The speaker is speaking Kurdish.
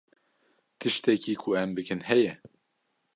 Tiştekî ku em bikin heye?